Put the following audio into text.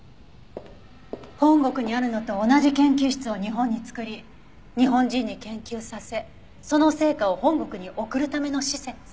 本国にあるのと同じ研究室を日本に作り日本人に研究させその成果を本国に送るための施設。